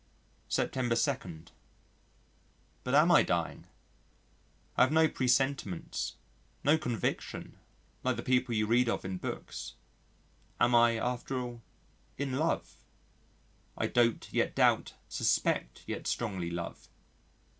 September 2. But am I dying? I have no presentiments no conviction like the people you read of in books. Am I, after all, in love? "I dote yet doubt; suspect yet strongly love."